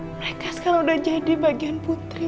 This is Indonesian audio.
mereka sekarang udah jadi bagian putri